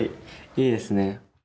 いいですね。